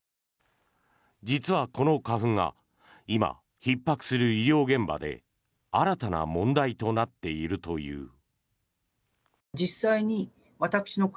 実は、この花粉が今、ひっ迫する医療現場で新たな問題となっているという。